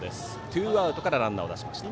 ツーアウトからランナーを出しました。